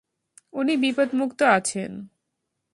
উনি বিপদমুক্ত আছেন।